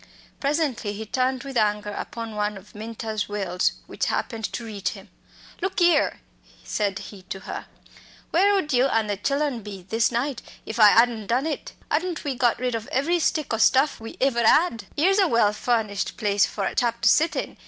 Presently he turned with anger upon one of Minta's wails which happened to reach him. "Look 'ere!" said he to her, "where ud you an' the chillen be this night if I 'adn't done it? 'Adn't we got rid of every stick o' stuff we iver 'ad? 'Ere's a well furnished place for a chap to sit in!"